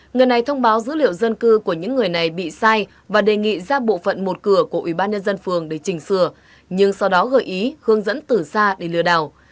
người này thông báo dữ liệu dân cư của những người này bị sai và đề nghị ra bộ phận một cửa của ủy ban nhân dân phường để chỉnh sửa nhưng sau đó gợi ý hướng dẫn tử xa để lừa đảo